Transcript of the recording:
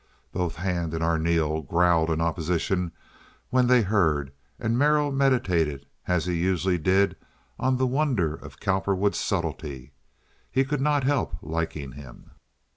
Both Hand and Arneel growled in opposition when they heard, and Merrill meditated, as he usually did, on the wonder of Cowperwood's subtlety. He could not help liking him.